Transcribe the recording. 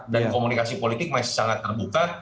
dan komunikasi politik masih sangat terbuka